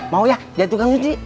mau ya jadi tukang muji